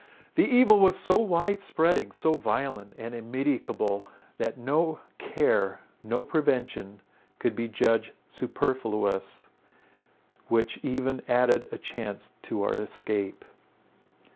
The evil was so wide spreading, so violent and immedicable, that no care, no prevention could be judged superfluous, which even added a chance to our escape.